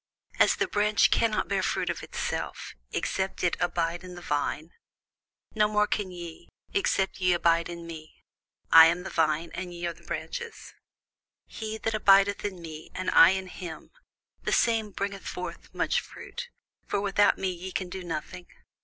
As the branch cannot bear fruit of itself, except it abide in the vine; no more can ye, except ye abide in me. I am the vine, ye are the branches: He that abideth in me, and I in him, the same bringeth forth much fruit: for without me ye can do nothing.